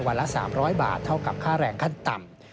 ละ๓๐๐บาทเท่ากับค่าแรงขั้นต่ำ